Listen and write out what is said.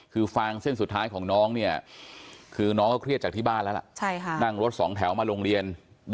คือฟางเส้นสุดท้ายของน้องเนี่ย